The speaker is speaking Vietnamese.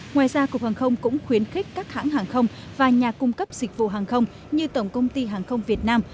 ngoài ra cục hàng không cũng khuyến khích các hãng hàng không và nhà cung cấp dịch vụ hàng không như tổng công ty hàng không việt nam